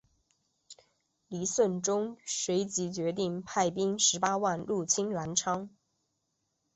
黎圣宗随即决定派兵十八万入侵澜沧。